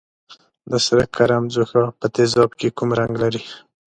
د سره کرم ځوښا په تیزاب کې کوم رنګ لري؟